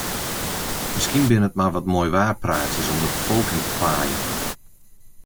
Miskien binne it mar wat moaiwaarpraatsjes om de befolking te paaien.